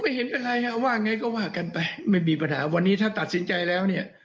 เห็นอะไรว่าไงก็ว่ากันไปไม่มีปัญหาวันนี้ถ้าตัดสินใจแล้วเนี่ย